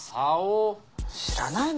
知らないの？